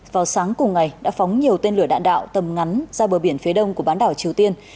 vào sáng cùng ngày đã phóng nhiều tên lửa đạn đạo tầm ngắn ra bờ biển phía đông của bán đảo triều tiên